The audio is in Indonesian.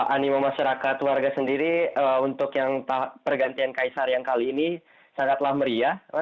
animo masyarakat warga sendiri untuk yang pergantian kaisar yang kali ini sangatlah meriah